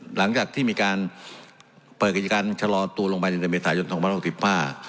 หลังจากที่มีการเปิดกิจการชะลอตัวลงไปในเมษายนต์ธรรมดา๖๕